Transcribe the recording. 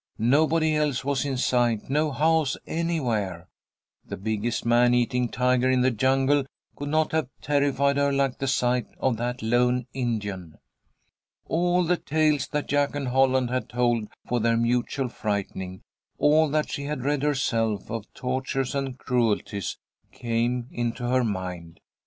Nobody else was in sight, no house anywhere. The biggest man eating tiger in the jungles could not have terrified her like the sight of that lone Indian. All the tales that Jack and Holland had told for their mutual frightening, all that she had read herself of tortures and cruelties came into her mind.